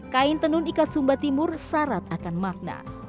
kain tenun ikat sumba timur syarat akan makna